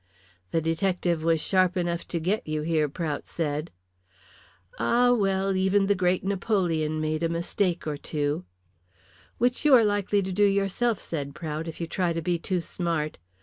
"The detective was sharp enough to get you here," Prout said. "Ah, well, even the great Napoleon made a mistake or two." "Which you are likely to do yourself," said Prout, "if you try to be too smart.